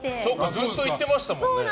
ずっと行ってましたもんね。